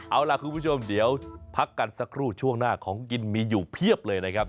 เอาล่ะคุณผู้ชมเดี๋ยวพักกันสักครู่ช่วงหน้าของกินมีอยู่เพียบเลยนะครับ